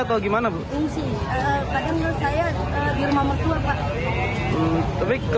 udah gak ada pak